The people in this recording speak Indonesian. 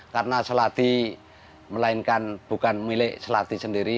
karena seladi melainkan bukan milik seladi sendiri